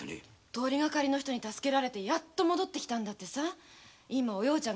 通りがかりの人に助けられて戻って来たんだって。